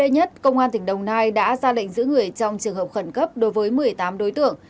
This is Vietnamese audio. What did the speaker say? nhất công an tỉnh đồng nai đã ra lệnh giữ người trong trường hợp khẩn cấp đối với một mươi tám đối tượng